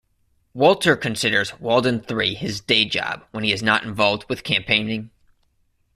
Walter considers Walden Three his "day job" when he is not involved with campaigning.